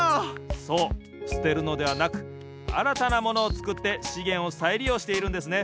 そうすてるのではなくあらたなものをつくってしげんをさいりようしているんですね。